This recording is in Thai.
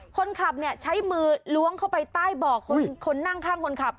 คนขับเนี่ยใช้มือล้วงเข้าไปใต้บ่อคนนั่งข้างคนขับ